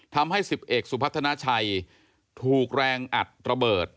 ทำให้๑๐เอกสุพัฒนาชัยถูกแรงอัดระเบิด